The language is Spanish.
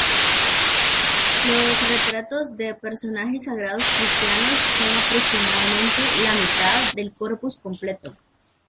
Los retratos de personajes sagrados cristianos son aproximadamente la mitad del corpus completo.